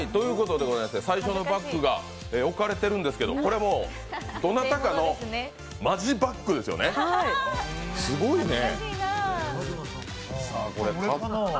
最初のバッグが置かれているんですけど、これはどなたかのマジバッグですよね、すごいね。